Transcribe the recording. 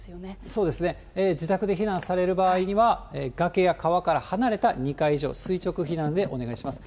そうですね、自宅で避難される場合には、崖や川から離れた２階以上、垂直避難でお願いします。